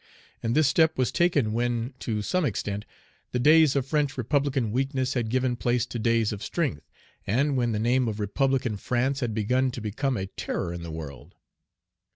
And this step was taken when, to some extent, the days of French republican weakness had given place to days of strength, and when the name of republican France had begun to become a terror in the world.